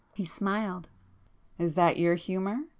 He smiled. "Is that your humour?"